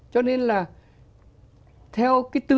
cho nên là theo cái tư tưởng